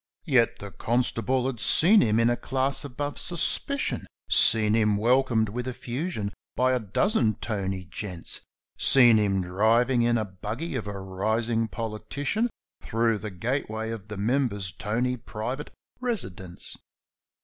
Yet the constable had seen him in a class above suspicion Seen him welcomed with effusion by a dozen ' toney gents ' Seen him driving in the buggy of a rising politician Thro' the gateway of the member's toney private residence.